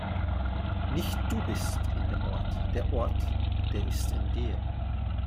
Nicht du bist in dem Ort, der Ort, der ist in dir!